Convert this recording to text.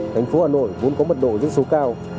thành phố hà nội vốn có mật độ dân số cao